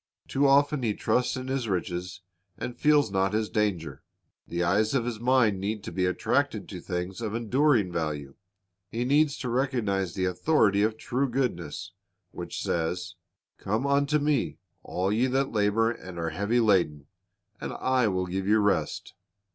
Too often he trusts in his riches, and feels not his danger. The eyes of his mind need to be attracted to things of enduring value. He needs to recognize the authority of true goodness, which says, "Come unto Me, all ye that labor and are heavy laden, and I will give you rest.